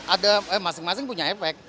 ada masing masing punya efek